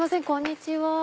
こんにちは。